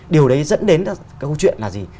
điều đấy dẫn đến cái câu chuyện là gì